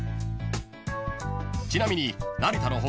［ちなみに成田の他